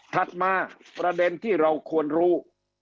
ถัดมาประเด็นที่เราควรรู้